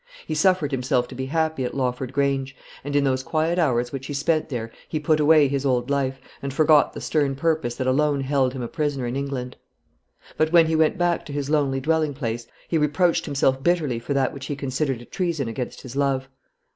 He suffered himself to be happy at Lawford Grange; and in those quiet hours which he spent there he put away his old life, and forgot the stern purpose that alone held him a prisoner in England. But when he went back to his lonely dwelling place, he reproached himself bitterly for that which he considered a treason against his love.